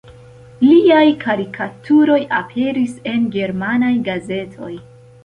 Liaj karikaturoj aperis en germanaj gazetoj.